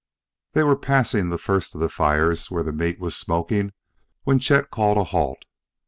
They were passing the first of the fires where the meat was smoking when Chet called a halt.